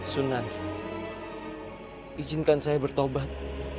sunan izinkan saya bertobat